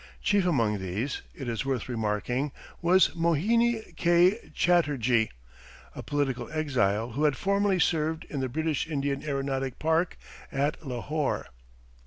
Chief among these, it is worth remarking, was Mohini K. Chatterjee, a political exile who had formerly served in the British Indian aeronautic park at Lahore.